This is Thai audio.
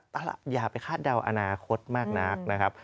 อย่าไปคาดเดาอนาคตมากนักนะครับ